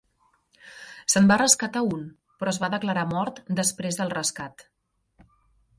Se"n va rescatar un però es va declarar mort després del recat.